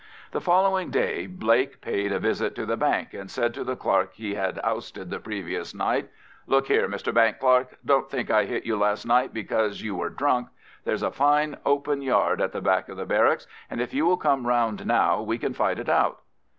The following day Blake paid a visit to the bank, and said to the clerk he had ousted the previous night, "Look here, Mr Bank Clerk, don't think I hit you last night because you were drunk. There's a fine open yard at the back of the barracks, and if you will come round now, we can fight it out."